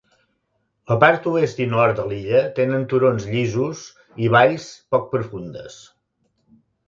La part oest i nord de l'illa tenen turons llisos i valls poc profundes.